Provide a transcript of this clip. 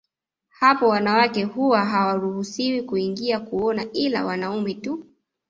Hapo wanawake huwa hawaruhusiwi kuingia kuona ila wanaume tu